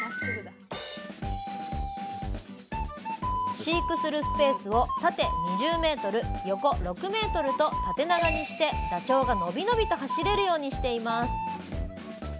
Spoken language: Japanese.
飼育するスペースを縦２０ｍ横６ｍと縦長にしてダチョウが伸び伸びと走れるようにしています